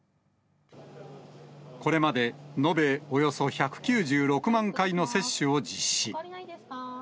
これまで延べおよそ１９６万回の接種を実施。